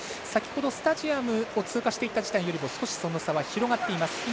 先ほどスタジアムを通過したときよりも少しその差は広がっています。